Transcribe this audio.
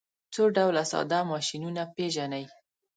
څو ډوله ساده ماشینونه پیژنئ.